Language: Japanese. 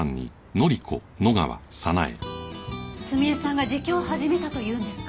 澄江さんが自供を始めたというんですか？